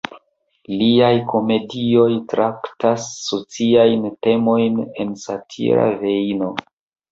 Liaj komedioj traktas sociajn temojn en satira vejno.